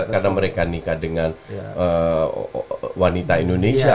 karena mereka nikah dengan wanita indonesia